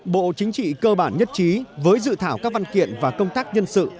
bộ chính trị cơ bản nhất trí với dự thảo các văn kiện và công tác nhân sự